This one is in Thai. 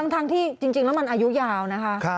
ทั้งที่จริงแล้วมันอายุยาวนะคะ